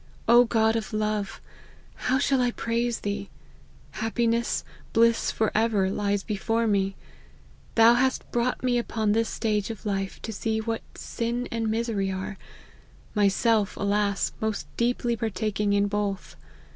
O God of love, how shall I praise Thee ! happiness, bliss for ever, lies before me. Thou hast brought me upon this stage of life to see what sin and misery 'are ; myself, alas ! most deeply partaking in both.